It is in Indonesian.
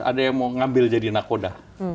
ada yang mau ngambil jadi nakoda